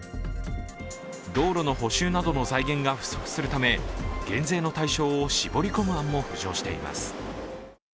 道路の補修などの財源が不足するため減税の対象を絞り込む案も浮上しています。